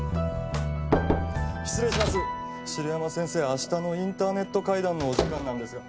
明日のインターネット会談のお時間なんですが。